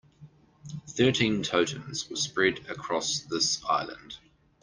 Thirteen totems were spread across this island.